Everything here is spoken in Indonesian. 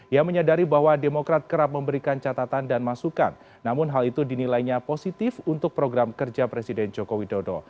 ia menyadari bahwa demokrat kerap memberikan catatan dan masukan namun hal itu dinilainya positif untuk program kerja presiden joko widodo